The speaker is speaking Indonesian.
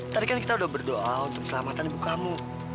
tadi kan kita udah berdoa untuk selamatan ibu kamu